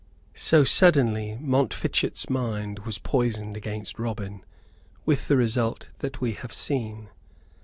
So suddenly Montfichet's mind was poisoned against Robin; with the result that we have seen.